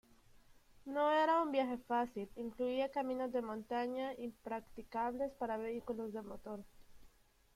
No era un viaje fácil, incluía caminos de montaña impracticables para vehículos de motor.